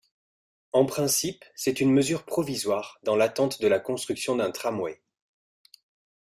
En principe c'est une mesure provisoire dans l'attente de la construction d'un tramway.